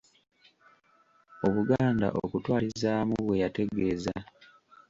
Obuganda okutwaliza awamu bwe yategeeza.